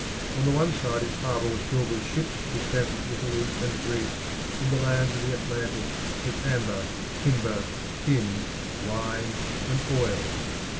On the one side its harbour was filled with ships which came from Italy and Greece and the lands of the Atlantic with amber, timber, tin, wine, and oil.